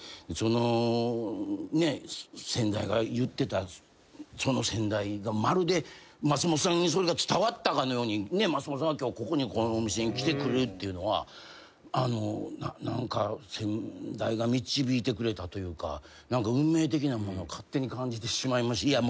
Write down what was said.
「その先代が言ってたその先代がまるで松本さんにそれが伝わったかのように松本さんが今日このお店に来てくれるっていうのはあの何か先代が導いてくれたというか運命的なものを勝手に感じてしまいました」